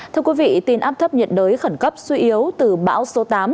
thưa quý vị tin áp thấp nhiệt đới khẩn cấp suy yếu từ bão số tám